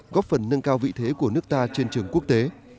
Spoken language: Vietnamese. góp phần nâng cao vị thế của nước ta trên trường quốc tế